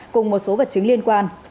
cùng một số vật chứng liên quan